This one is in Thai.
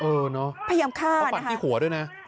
เออเนอะเพราะฟันที่หัวด้วยนะพยายามฆ่านะ